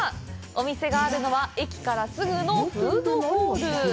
お店があるのは駅からすぐのフードホール。